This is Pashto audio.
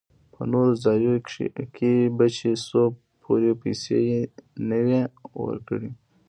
په نورو ځايو کښې به چې څو پورې پيسې يې نه وې ورکړې.